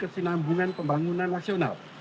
keselambungan pembangunan nasional